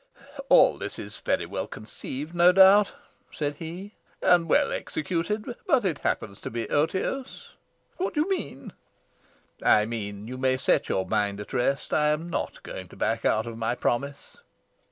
"All this is very well conceived, no doubt," said he, "and well executed. But it happens to be otiose." "What do you mean?" "I mean you may set your mind at rest. I am not going to back out of my promise."